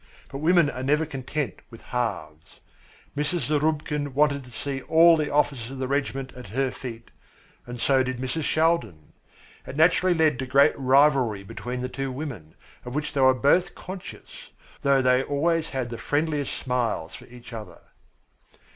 But women are never content with halves. Mrs. Zarubkin wanted to see all the officers of the regiment at her feet, and so did Mrs. Shaldin. It naturally led to great rivalry between the two women, of which they were both conscious, though they always had the friendliest smiles for each other.